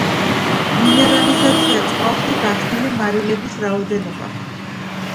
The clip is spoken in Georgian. მინერალიზაცია-წყალში გახსნილი მარილების რაოდენობა